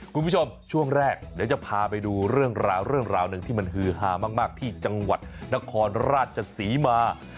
คุณผู้ชมช่วงแรกเดี๋ยวจะพาไปดูเรื่องราวเรื่องราวหนึ่งที่มันฮือฮามากที่จังหวัดนครราชศรีมา